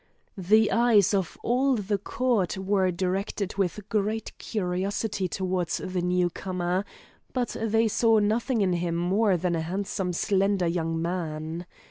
The eyes of all the court were directed with great curiosity towards the newcomer, but they saw nothing in him more than a handsome slender young man.